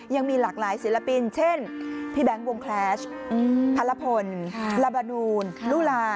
ยังมีหลากหลายศิลปินเช่นพี่แบงค์วงแคลชพระรพลลาบานูนลูลา